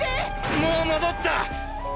もう戻った！